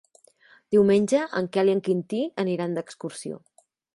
Diumenge en Quel i en Quintí aniran d'excursió.